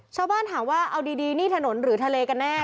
ชาวบ้านถามว่าเอาดีนี่ถนนหรือทะเลกันแน่